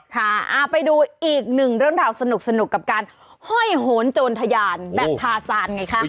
ค่ะไปดูอีกหนึ่งเรื่องราวสนุกกับการห้อยโหนโจรทยานแบบทาซานไงคะ